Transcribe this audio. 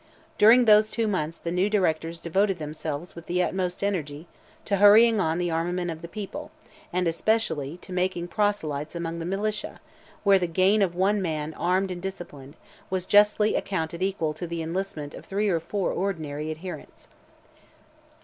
During those two months the new directors devoted themselves with the utmost energy to hurrying on the armament of the people, and especially to making proselytes among the militia, where the gain of one man armed and disciplined was justly accounted equal to the enlistment of three or four ordinary adherents.